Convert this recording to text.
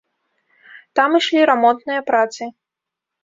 Там ішлі рамонтныя працы.